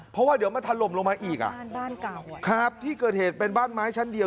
เพราะว่าเดี๋ยวมันถล่มลงมาอีกอ่ะบ้านบ้านเก่าครับที่เกิดเหตุเป็นบ้านไม้ชั้นเดียว